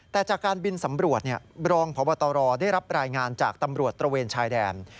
แต่จากการบินสำรวจรองพบตรได้รับรายงานจากตำรวจตระเวนชายแดน